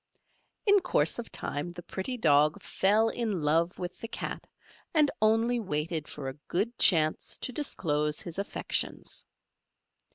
In course of time the pretty Dog fell in love with the Cat, and only waited for a good chance to disclose his affections.